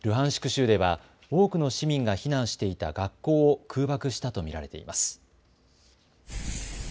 州では多くの市民が避難していた学校を空爆したと見られています。